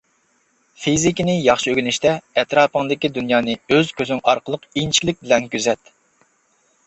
فىزىكىنى ياخشى ئۆگىنىشتە، ئەتراپىڭدىكى دۇنيانى ئۆز كۆزۈڭ ئارقىلىق ئىنچىكىلىك بىلەن كۆزەت.